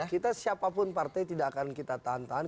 kita siapapun partai tidak akan kita tahan tahan